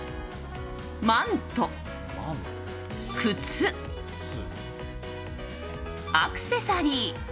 マント、靴、アクセサリー。